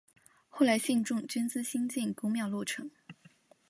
后来信众捐资兴建宫庙落成。